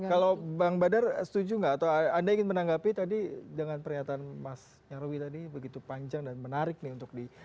kalau bang badar setuju nggak atau anda ingin menanggapi tadi dengan pernyataan mas nyarwi tadi begitu panjang dan menarik nih untuk di